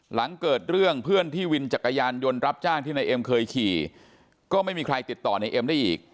หลังเกิดเรื่องเพื่อนที่วินจักรยานยนต์รับจ้างที่นายเอ็มเคยขี่ก็ไม่มีใครติดต่อในเอ็มได้อีก